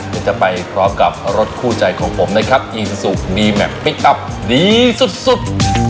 กันจะไปพร้อมกับรถคู่ใจของผมนะครับอีนซูกดีแมปปิ๊กตับดีสุดสุด